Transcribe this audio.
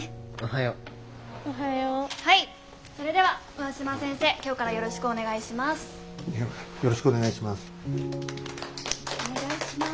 よろしくお願いします。